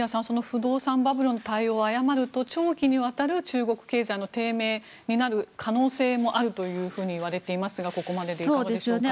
不動産バブルの対応を誤ると長期にわたる中国経済の低迷になる可能性もあるというふうにいわれていますがここまででいかがでしょうか。